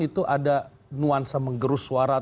itu ada nuansa menggerus suara